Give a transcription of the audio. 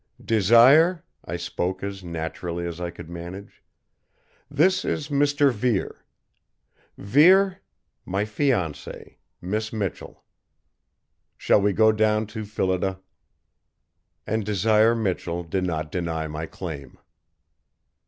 "Desire," I spoke as naturally as I could manage, "this is Mr. Vere. Vere, my fiancée, Miss Michell. Shall we go down to Phillida?" And Desire Michell did not deny my claim.